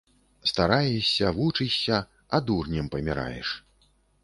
Стараешся, вучышся, а дурнем паміраеш